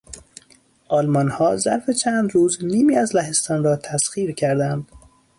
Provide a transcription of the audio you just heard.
آلمانها ظرف چند روز نیمی از لهستان را تسخیر کردند.